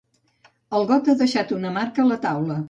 El got ha deixat una marca a la taula.